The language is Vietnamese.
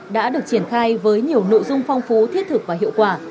đã được triển khai với nhiều nội dung phong phú thiết thực và hiệu quả